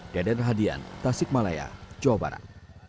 deden rahadian tasik malaya jawa barat